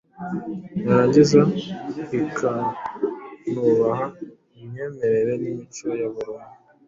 yarangiza ikanubaha imyemerere n’imico ya buri umwe